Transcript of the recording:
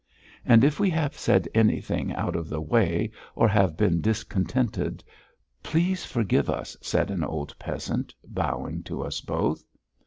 "And if we have said anything out of the way or have been discontented, please forgive us," said an old peasant, bowing to us both.